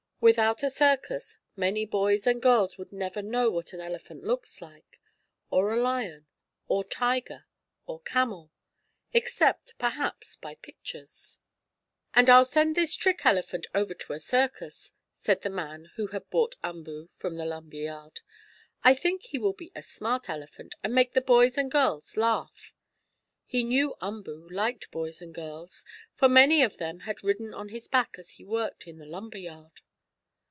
Without a circus many boys and girls would never know what an elephant looks like; or a lion, or tiger or camel, except, perhaps, by pictures. "And I'll send this trick elephant over to a circus," said the man who had bought Umboo from the lumber yard. "I think he will be a smart elephant, and make the boys and girls laugh." He knew Umboo liked boys and girls, for many of them had ridden on his back as he worked in the lumber yard.